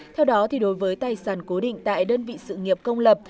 theo đó đối với tài sản cố định tại đơn vị sự nghiệp công lập